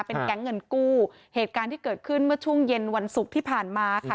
เป็นแก๊งเงินกู้เหตุการณ์ที่เกิดขึ้นเมื่อช่วงเย็นวันศุกร์ที่ผ่านมาค่ะ